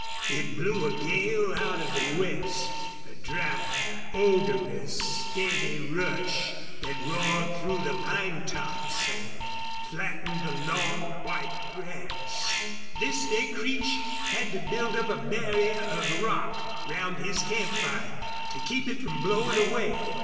It blew a gale out of the west, a dry, odorous, steady rush that roared through the pine tops and flattened the long, white grass. This day Creech had to build up a barrier of rock round his camp fire, to keep it from blowing away.